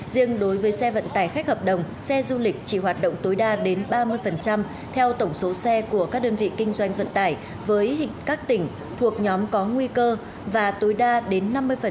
riêng đối với xe vận tải khách hợp đồng xe du lịch chỉ hoạt động tối đa đến ba mươi theo tổng số xe của các đơn vị kinh doanh vận tải với các tỉnh thuộc nhóm có nguy cơ và tối đa đến năm mươi